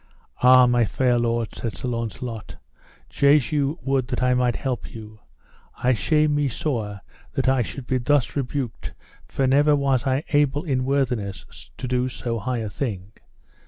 Ah, my fair lord, said Sir Launcelot, Jesu would that I might help you; I shame me sore that I should be thus rebuked, for never was I able in worthiness to do so high a thing.